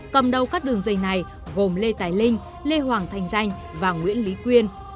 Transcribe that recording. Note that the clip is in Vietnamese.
cầm đầu các đường dây này gồm lê tài linh lê hoàng thành danh và nguyễn lý quyên